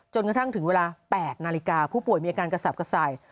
จนกระทั่งถึงเวลา๘นาฬิกาผู้ป่วยมีอาการกระสับกระส่าย